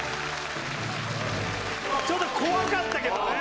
ちょっと怖かったけどね。